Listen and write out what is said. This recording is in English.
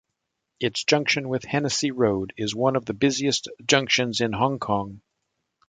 Its junction with Hennessy Road is one of the busiest junctions in Hong Kong.